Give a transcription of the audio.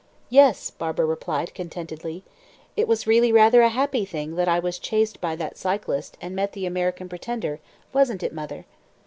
"Yes," Barbara replied contentedly; "it was really rather a happy thing that I was chased by that cyclist and met the 'American pretender,' wasn't it, mother?"